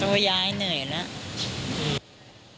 ตัวยายเหนื่อยแล้ว